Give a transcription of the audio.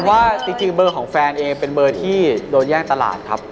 เพราะว่าจริงเบอร์ของแฟนเองเป็นเบอร์ที่โดนแย่งตลาดครับ